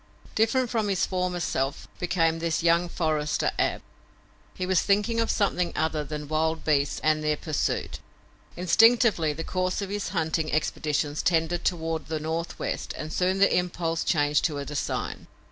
Different from his former self became this young forester, Ab. He was thinking of something other than wild beasts and their pursuit. Instinctively, the course of his hunting expeditions tended toward the northwest and soon the impulse changed to a design.